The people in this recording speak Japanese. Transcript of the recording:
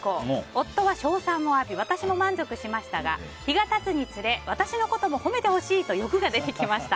夫は称賛を浴び私も満足しましたが日が経つにつれ私のことも褒めてほしいと欲が出てきました。